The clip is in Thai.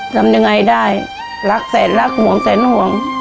ทำยังไงได้รักแสนรักห่วงแสนห่วง